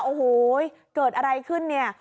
โอ้โหเกิดอะไรขึ้นเนี่ย